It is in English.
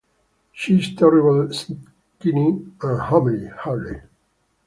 She’s terrible skinny and homely, Harley.